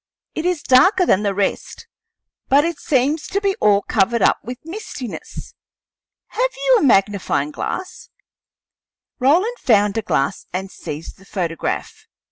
It is darker than the rest, but it seems to be all covered up with mistiness. Have you a magnifying glass?" Roland found a glass, and seized the photograph.